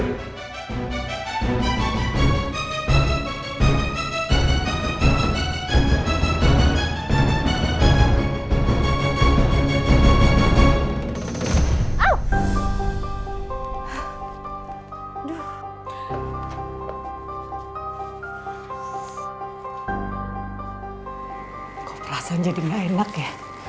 gue perasan jadi gak enak ya